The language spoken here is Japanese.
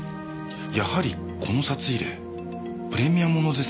やはりこの札入れプレミア物ですね。